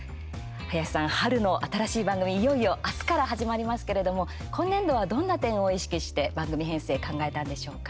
林さん、春の新しい番組いよいよ明日から始まりますけれども今年度は、どんな点を意識して番組編成、考えたんでしょうか？